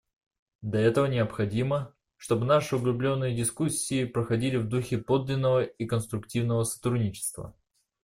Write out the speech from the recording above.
Для этого необходимо, чтобы наши углубленные дискуссии проходили в духе подлинного и конструктивного сотрудничества.